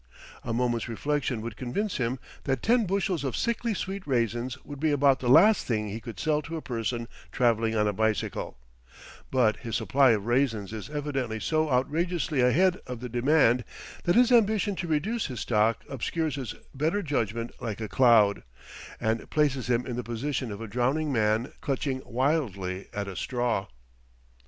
A moment's reflection would convince him that ten bushels of sickly sweet raisins would be about the last thing he could sell to a person travelling on a bicycle; but his supply of raisins is evidently so outrageously ahead of the demand that his ambition to reduce his stock obscures his better judgment like a cloud, and places him in the position of a drowning man clutching wildly at a straw.